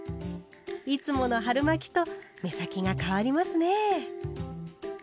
いつもの春巻と目先が変わりますね。